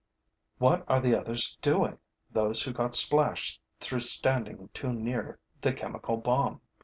What are the others doing, those who got splashed through standing too near the chemical bomb?